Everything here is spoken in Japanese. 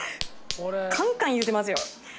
「カンカン」いってますよ。